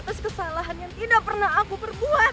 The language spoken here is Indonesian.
atas kesalahan yang tidak pernah aku perbuat